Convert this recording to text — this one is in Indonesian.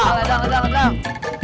lidang ledang ledang ledang